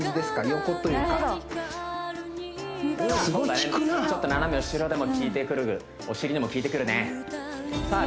横というかすごいきくなちょっと斜め後ろでもきいてくるお尻にもきいてくるねさあ